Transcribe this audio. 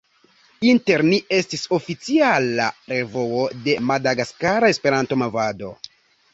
Inter Ni estis oficiala revuo de madagaskara Esperanto-movado.